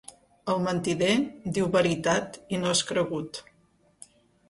El mentider diu veritat i no és cregut.